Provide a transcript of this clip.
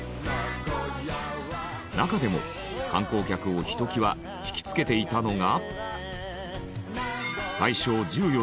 中でも観光客をひときわ惹きつけていたのが。